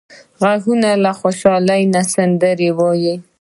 غوږونه له خوشحالۍ نه سندره وايي